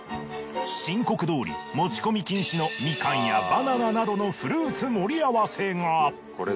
申告どおり持ち込み禁止のミカンやバナナなどのフルーツ盛り合わせが。